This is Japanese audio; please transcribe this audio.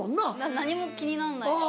何も気にならないです。